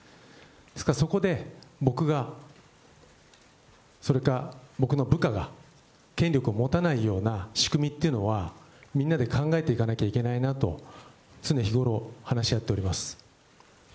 ですからそこで、僕が、それか僕の部下が権力を持たないような仕組みっていうのは、みんなで考えていかなきゃいけないなと、常日頃、話し合っております。